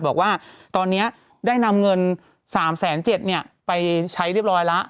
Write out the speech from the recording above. บอกว่าตอนนี้ได้นำเงิน๓๗๐๐ไปใช้เรียบร้อยแล้ว